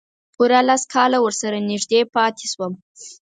پوره لس کاله ورسره نږدې پاتې شوم.